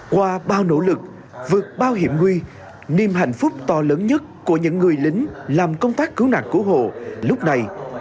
qua bao nỗ lực vượt bao hiểm nguy niềm hạnh phúc to lớn nhất của những người lính làm công tác cứu nạn cứu hộ lúc này